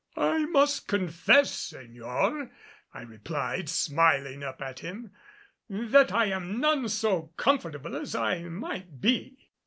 "I must confess, Señor," I replied, smiling up at him, "that I am none so comfortable as I might be."